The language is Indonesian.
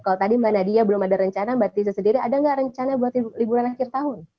kalau tadi mbak nadia belum ada rencana mbak tisu sendiri ada nggak rencana buat liburan akhir tahun